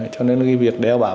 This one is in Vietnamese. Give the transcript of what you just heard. cho nên việc đeo bám